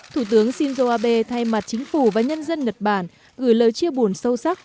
thủ tướng shinzo abe thay mặt chính phủ và nhân dân nhật bản gửi lời chia buồn sâu sắc